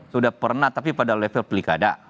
sudah pernah tapi pada level pilkada